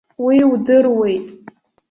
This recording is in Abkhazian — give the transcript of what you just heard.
Уи удыруеит.